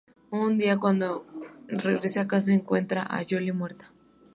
Un día cuando regrese a casa, encuentra a Jolly muerta.